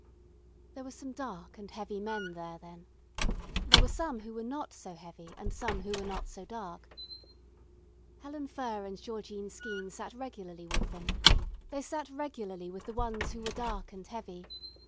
There were some dark and heavy men there then. There were some who were not so heavy and some who were not so dark. Helen Furr and Georgine Skeene sat regularly with them. They sat regularly with the ones who were dark and heavy.